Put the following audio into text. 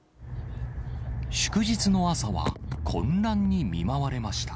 祝日の朝は、混乱に見舞われました。